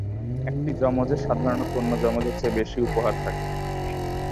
একটি যমজের সাধারণত অন্য যমজের চেয়ে বেশি উপহার থাকে।